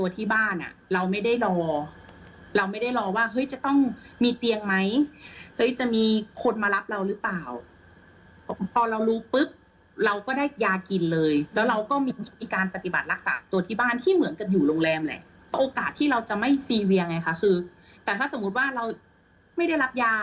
แต่ถ้าสมมุติว่าเราไม่ได้รับยา